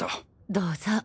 どうぞ。